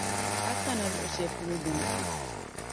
A kana luɣʼ shɛli polo di ni tu.